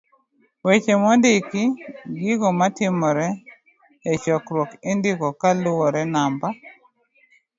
d-Weche mondiki. gigo matimore e chokruok indiko ga kaluwo namba